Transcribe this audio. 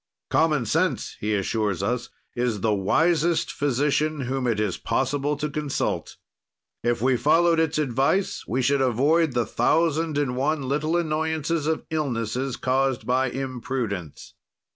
"Common sense" he assures us, "is the wisest physician whom it is possible to consult. "If we followed its advice, we should avoid the thousand and one little annoyances of illnesses caused by imprudence.